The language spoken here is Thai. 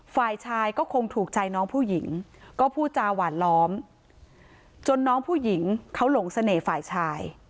ฝ่ายชายก็คงถูกใจน้องผู้หญิงก็พูดจาหวานล้อมจนน้องผู้หญิงเขาหลงเสน่ห์ฝ่ายชาย